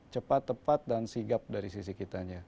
cepat tepat dan sigap dari sisi kitanya